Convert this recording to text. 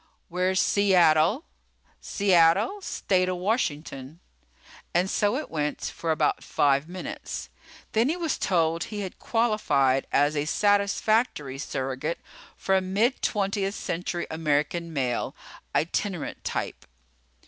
"Where's Seattle?" "Seattle? State o' Washington." And so it went for about five minutes. Then he was told he had qualified as a satisfactory surrogate for a mid twentieth century American male, itinerant type.